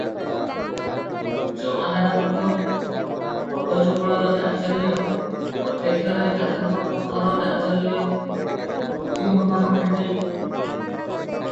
ଜମାଦାରଙ୍କ ପଦଯୁଗଳର ଚାଞ୍ଚଲ୍ୟ ପ୍ରତ୍ୟକ୍ଷରେ ତାହାଙ୍କ ମନର ଚାଞ୍ଚଲ୍ୟ, ଫୁର୍ତ୍ତି ଅନୁମାନ କରି ନେଲୁଁ ।